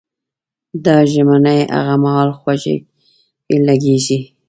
دا ژمنې هغه مهال خوږې لګېږي.